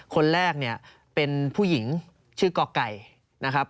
คนแรกเป็นผู้หญิงชื่อกอกไก่นะครับ